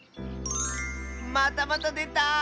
またまたでた！